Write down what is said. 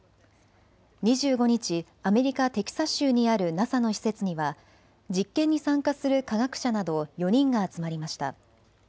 ２５日、アメリカ・テキサス州にあるＮＡＳＡの施設には実験に参加する科学者など４人が集まりました。